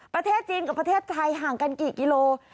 ประเทศจีนกับประเทศไทยห่างกันกี่กิโล